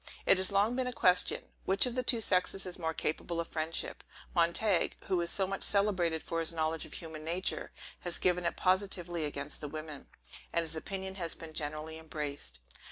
It has long been a question, Which of the two sexes is most capable of friendship? Montague, who is so much celebrated for his knowledge of human nature, has given it positively against the women; and his opinion has been generally embraced.